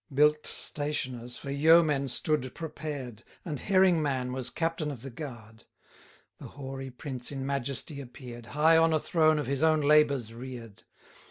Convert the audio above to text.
Bilk'd stationers for yeomen stood prepared, And Herringman was captain of the guard. The hoary prince in majesty appear'd, High on a throne of his own labours rear'd.